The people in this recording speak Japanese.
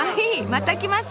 また来ます。